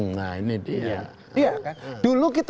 nah ini dia kan dulu kita